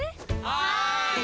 はい。